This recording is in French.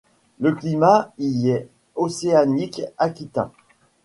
Le climat y est océanique aquitain.